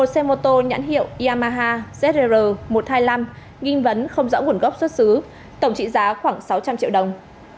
một xe mô tô nhãn hiệu yamahazr một trăm hai mươi năm nghi vấn không rõ nguồn gốc xuất xứ tổng trị giá khoảng sáu trăm linh triệu đồng